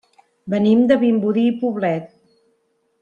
Venim de Vimbodí i Poblet.